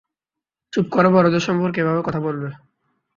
চুপ কর বড়দের সম্পর্কে এভাবে কথা বে?